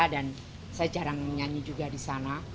dan saya jarang menyanyi juga di sana